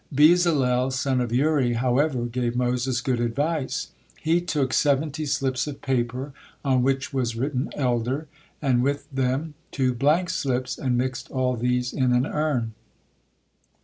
Bezalel, son of Uri, however, gave Moses good advice. He took seventy slips of paper on which was written "elder," and with them two blank slips, and mixed all these in an urn.